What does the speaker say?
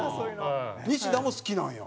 西田も好きなんや？